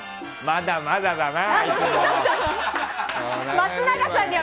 まだまだだな。